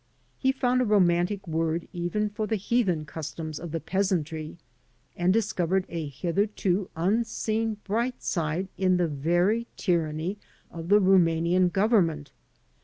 He found a romantic word even for the heathen customs of the peasantry, and discovered a hitherto unseen bright side in the very tyranny of the Rumanian Government.